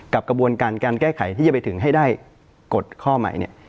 กระบวนการการแก้ไขที่จะไปถึงให้ได้กฎข้อใหม่เนี่ย